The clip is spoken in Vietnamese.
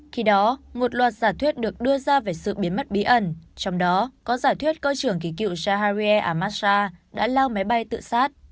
khi đó một loạt giả thuyết được đưa ra về sự biến mất bí ẩn trong đó có giả thuyết cơ trưởng kỳ cựu jahari ở massag đã lao máy bay tự sát